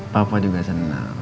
papa juga seneng